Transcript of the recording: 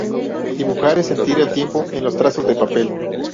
Dibujar es sentir el tiempo en los trazos de papel.